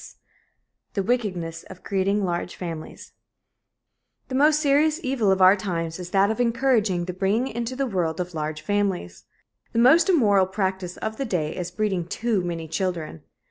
CHAPTER V THE WICKEDNESS OF CREATING LARGE FAMILIES The most serious evil of our times is that of encouraging the bringing into the world of large families. The most immoral practice of the day is breeding too many children.